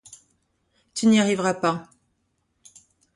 Tu n’y arriveras pas.